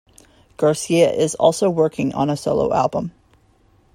Garcia is also working on a solo album.